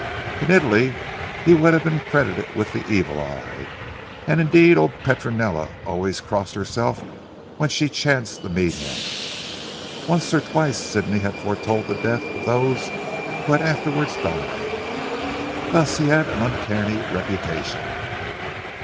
In Italy he would have been credited with the Evil eye, and indeed old Petronella always crossed herself when she chanced to meet him. Once or twice Sidney had foretold the death of those who had afterwards died. Thus he had an uncanny reputation.